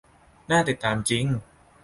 น่าติดตามจริง